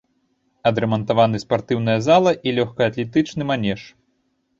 Адрамантаваны спартыўная зала і лёгкаатлетычны манеж.